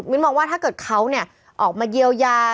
มองว่าถ้าเกิดเขาออกมาเยียวยา